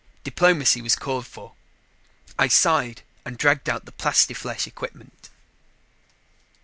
Diplomacy was called for. I sighed and dragged out the plastiflesh equipment.